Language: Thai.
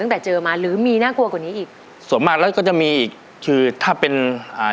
เจอมาหรือมีน่ากลัวกว่านี้อีกส่วนมากแล้วก็จะมีอีกคือถ้าเป็นอ่า